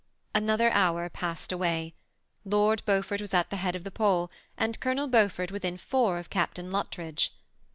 Another hour passed away. Lord Beaufort was at the head of the poll, and Colonel Beaufort within four of Captain Luttridge.